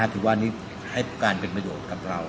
ถือว่านี่ให้การเป็นประโยชน์กับเรา